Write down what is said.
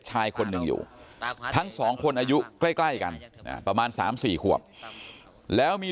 ชายคนหนึ่งอยู่ทั้งสองคนอายุใกล้กันประมาณ๓๔ขวบแล้วมี